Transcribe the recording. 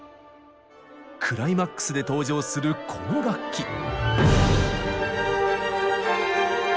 クライマックスで登場するこの楽器。